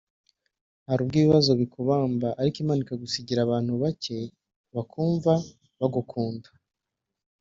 Hari ubwo ibibazo bikubamba ariko Imana ikagusigariza abantu bake bakumva bagukunda